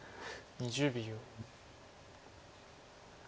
２０秒。